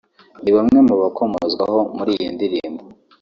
ni bamwe mu bakomozwaho muri iyi ndirimbo